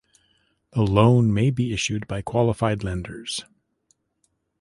The loan may be issued by qualified lenders.